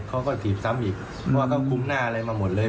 เขาก็ถีบซ้ำอีกเพราะว่าเขาคุ้มหน้าอะไรมาหมดเลย